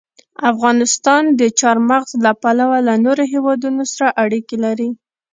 افغانستان د چار مغز له پلوه له نورو هېوادونو سره اړیکې لري.